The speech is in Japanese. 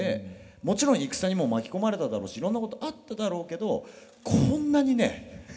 もちろん戦にも巻き込まれただろうしいろんなことあっただろうけどこんなにね